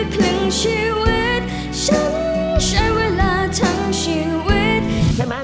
ขอบคุณค่ะ